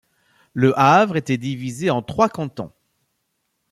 Le Havre était divisé en trois cantons.